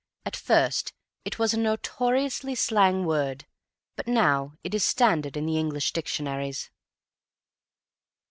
At first it was a notoriously slang word, but now it is standard in the English dictionaries.